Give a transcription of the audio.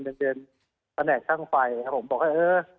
เป็นเดือนแผนกช่างไฟครับผมบอกว่าเออ